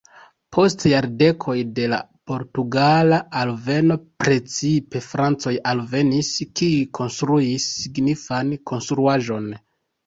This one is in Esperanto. Post jardekoj de la portugala alveno precipe francoj alvenis, kiuj konstruis signifan konstruaĵon.